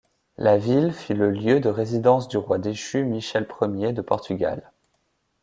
La ville fut le lieu de résidence du roi déchu Michel Ier de Portugal.